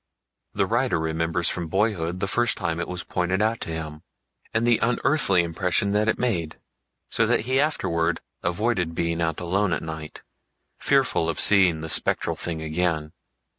The writer remembers from boyhood the first time it was pointed out to him and the unearthly impression that it made, so that he afterward avoided being out alone at night, fearful of seeing the spectral thing again.